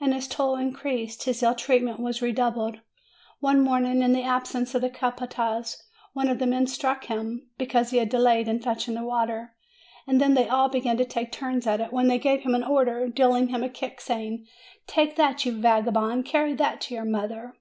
And his toil increased, his ill treatment was re doubled. One morning, in the absence of the capataz, one of the men struck him, because he had delayed in fetching the water. And then they all began to take turns at it, when they gave him an order, dealing him a kick, saying: "Take that, you vagabond! Carry that to your mother!"